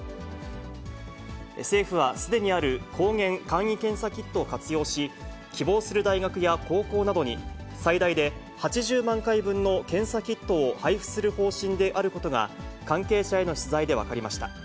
政府はすでにある抗原簡易検査キットを活用し、希望する大学や高校などに、最大で８０万回分の検査キットを配布する方針であることが、関係者への取材で分かりました。